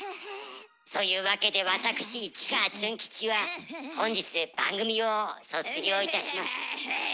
そういうわけでわたくし市川ズン吉は本日番組を卒業いたします。